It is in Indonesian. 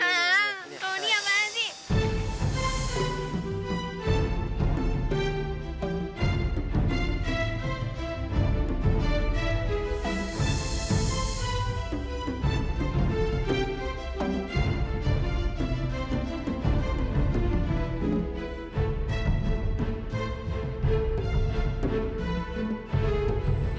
oh ini apaan sih